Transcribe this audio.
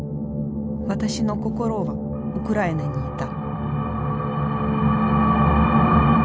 私の心はウクライナにいた。